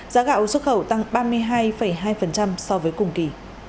giá gạo xuất khẩu tăng ba mươi hai hai so với cùng kỳ